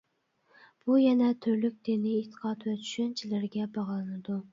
بۇ يەنە تۈرلۈك دىنىي ئېتىقاد ۋە چۈشەنچىلەرگە باغلىنىدۇ.